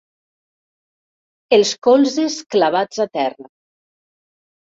Els colzes clavats a terra.